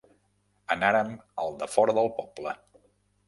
Anàrem al defora del poble.